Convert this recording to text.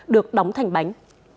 được đóng thành bánh